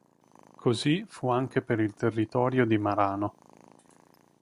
Così fu anche per il territorio di Marano.